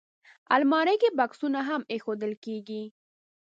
الماري کې بکسونه هم ایښودل کېږي